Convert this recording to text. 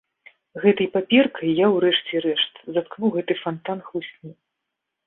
Гэтай паперкай я, урэшце рэшт, заткну гэты фантан хлусні.